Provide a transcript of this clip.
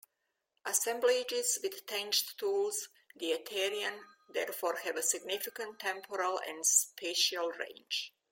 Assemblages with tanged tools, 'the Aterian', therefore have a significant temporal and spatial range.